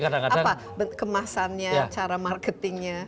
apa kemasannya cara marketingnya